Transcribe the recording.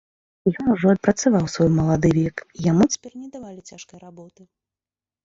Ён ужо адпрацаваў свой малады век, і яму цяпер не давалі цяжкай работы.